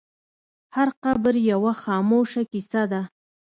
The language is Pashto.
هر قبر یوه خاموشه کیسه ده.